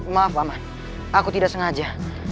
maaf mama aku tidak sengaja